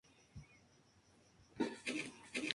En la plaza central hay una gran estatua de Mar Elias.